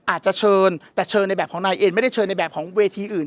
อาจจะเชิญแต่เชิญในแบบของนายเอนไม่ได้เชิญในแบบของเวทีอื่น